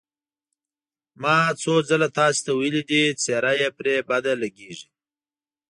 ما څو ځل تاسې ته ویلي دي، څېره یې پرې بده لګېږي.